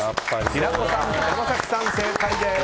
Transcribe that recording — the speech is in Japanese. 平子さん、山崎さん、正解です。